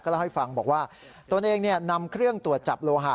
เล่าให้ฟังบอกว่าตนเองนำเครื่องตรวจจับโลหะ